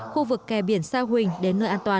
khu vực kè biển sa huỳnh đến nơi an toàn